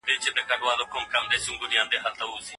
د پروردګار لومړی فرمان د لوستلو په اړه و.